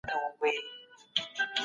تر سهاره څنګه تېره كړمه ؟